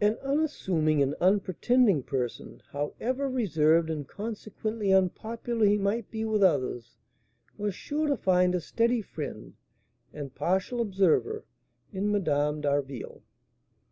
An unassuming and unpretending person, however reserved and consequently unpopular he might be with others, was sure to find a steady friend and partial observer in Madame d'Harville.